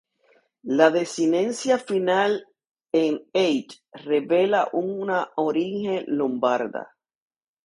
La desinencia final en "-ate" revela una origen lombarda.